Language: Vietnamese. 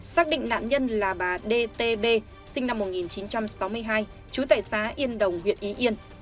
xác định nạn nhân là bà d t b sinh năm một nghìn chín trăm sáu mươi hai chú tài xá yên đồng huyện ý yên